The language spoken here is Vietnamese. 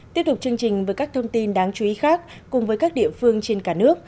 tiếp tục chương trình với các thông tin đáng chú ý khác cùng với các địa phương trên cả nước